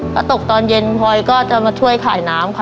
ถ้าตกตอนเย็นพลอยก็จะมาช่วยขายน้ำค่ะ